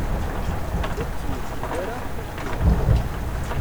Ur ttmeyyil ara taflukt.